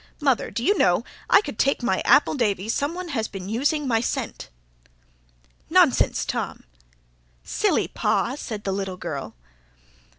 "Mother, d'you know, I could take my appledavy some one has been using my scent." "Nonsense, Tom." "Silly pa!" said the little girl.